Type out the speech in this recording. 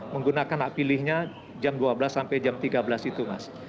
menggunakan hak pilihnya jam dua belas sampai jam tiga belas itu mas